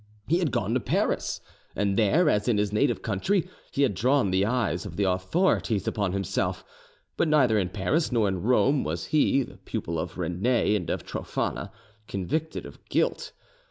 He had gone to Paris, and there, as in his native country, he had drawn the eyes of the authorities upon himself; but neither in Paris nor in Rome was he, the pupil of Rene and of Trophana, convicted of guilt.